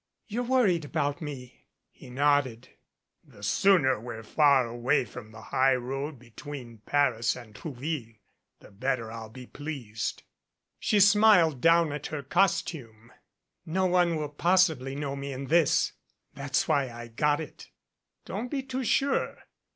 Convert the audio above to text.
"You're worried about me." 125 MAVC'AP He nodded. "The sooner we're far away from the high road be tween Paris and Trouville, the better I'll be pleased." She smiled down at her costume. "No one will possibly know me in this. That's why I got it." "Don't be too sure.